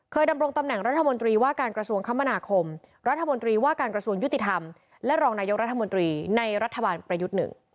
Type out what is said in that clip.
ดำรงตำแหน่งรัฐมนตรีว่าการกระทรวงคมนาคมรัฐมนตรีว่าการกระทรวงยุติธรรมและรองนายกรัฐมนตรีในรัฐบาลประยุทธ์๑